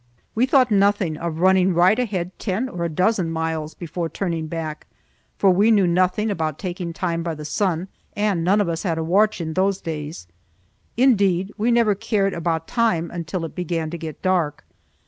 We thought nothing of running right ahead ten or a dozen miles before turning back; for we knew nothing about taking time by the sun, and none of us had a watch in those days. Indeed, we never cared about time until it began to get dark.